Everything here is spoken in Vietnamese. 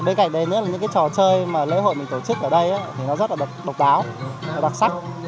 bên cạnh đấy nữa là những cái trò chơi mà lễ hội mình tổ chức ở đây thì nó rất là độc đáo và đặc sắc